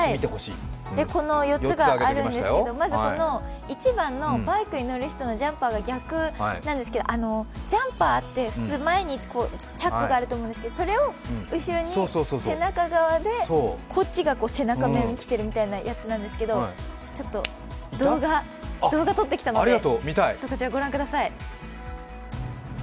この４つがあるんですけど、まずこの１番のバイクに乗る人のジャンパーが逆なんですけど、ジャンパーって普通、前にチャックがあると思うんですがそれを後ろに背中側でこっちが背中面を着てるみたいなんですけどちょっと、動画撮ってきたのでこちら、ご覧ください。